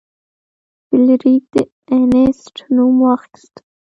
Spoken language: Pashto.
فلیریک د انیسټ نوم واخیست.